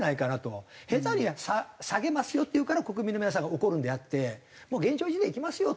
下手に「下げますよ」って言うから国民の皆さんが怒るんであってもう現状維持でいきますよという。